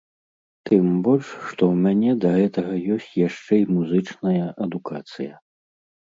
Тым больш, што ў мяне да гэтага ёсць яшчэ і музычная адукацыя.